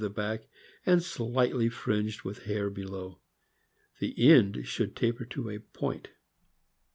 the back, and slightly fringed with hair below. The end should taper to a point.